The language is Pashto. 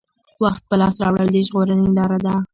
وخت په لاس راوړل د ژغورنې لاره ده.